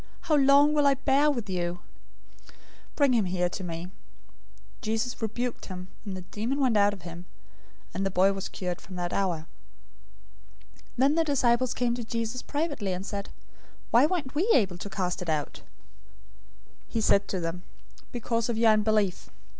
How long will I bear with you? Bring him here to me." 017:018 Jesus rebuked him, the demon went out of him, and the boy was cured from that hour. 017:019 Then the disciples came to Jesus privately, and said, "Why weren't we able to cast it out?" 017:020 He said to them, "Because of your unbelief.